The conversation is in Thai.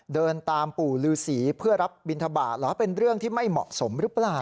เดินตามปู่ฤษีเพื่อรับบินทบาทเหรอเป็นเรื่องที่ไม่เหมาะสมหรือเปล่า